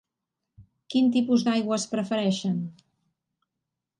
Quin tipus d'aigües prefereixen?